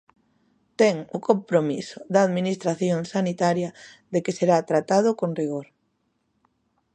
Ten o compromiso da Administración sanitaria de que será tratado con rigor.